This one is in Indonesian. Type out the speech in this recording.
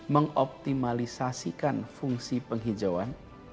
mengoptimalisasikan fungsi penghijauan